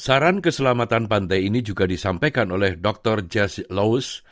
saran keselamatan pantai ini juga disampaikan oleh dr jas laws